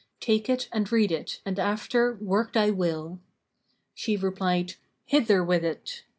Take it and read it and after work thy will." She replied "Hither with it!"